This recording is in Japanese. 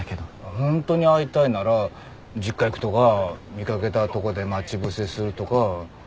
ホントに会いたいなら実家行くとか見掛けたとこで待ち伏せするとか。